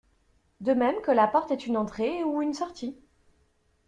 De même que la porte est une entrée, ou une sortie.